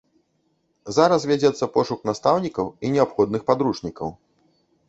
Зараз вядзецца пошук настаўнікаў і неабходных падручнікаў.